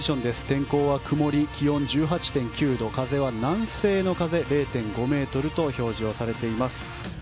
天候は曇り、気温１８．９度風は南西の風０．５メートルと表示されています。